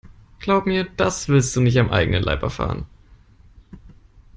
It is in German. Glaub mir, das willst du nicht am eigenen Leib erfahren.